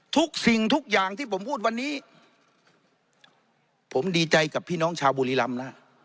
ทุกสิ่งทุกอย่างที่ผมพูดวันนี้ผมดีใจกับพี่น้องชาวบุรีรำนะ